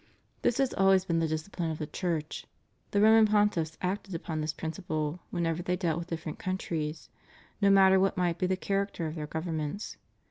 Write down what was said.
This has always been the discipUne of the Church. The Roman Pontiffs acted upon this principle, whenever they dealt with different countries, no matter what might be the character of their govern ments.